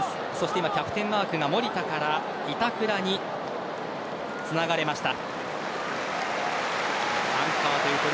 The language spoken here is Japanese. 今、キャプテンマークが守田から板倉につながれました。